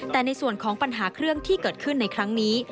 แต่ในส่วนของปัญหาเครื่องที่เกิดขึ้นในครั้งนี้